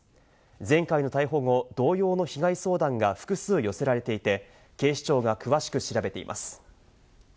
前回の逮捕後、同様の被害相談が複数寄せられていて、警視庁が詳しく調べています。